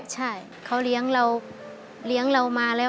ใช่เขาเลี้ยงเราเลี้ยงเรามาแล้ว